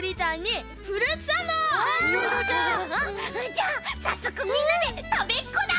じゃあさっそくみんなでたべっこだ！